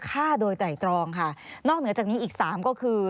ฆ่าโดยไตรตรองค่ะนอกเหนือจากนี้อีกสามก็คือ